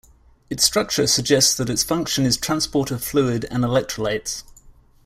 Its structure suggests that its function is transport of fluid and electrolytes.